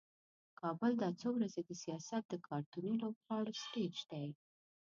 کابل دا څو ورځې د سیاست د کارتوني لوبغاړو سټیج دی.